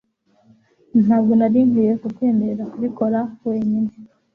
Ntabwo nari nkwiye kukwemerera kubikora wenyine